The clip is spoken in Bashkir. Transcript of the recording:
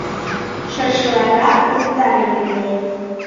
Шыршыларҙа уттар емелдәй.